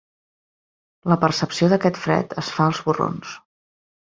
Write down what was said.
La percepció d'aquest fred es fa als borrons.